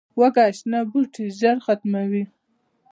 وزې شنه بوټي ژر ختموي